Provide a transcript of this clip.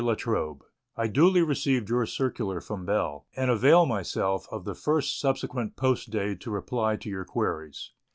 LA TROBE, I duly received your circular from Bell, and avail myself of the first subsequent post day to reply to your queries.